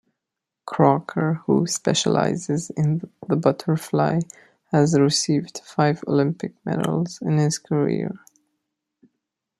Crocker, who specializes in the butterfly, has received five Olympic medals in his career.